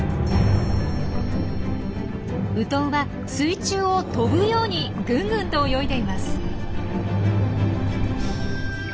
ウトウは水中を飛ぶようにぐんぐんと泳いでいます。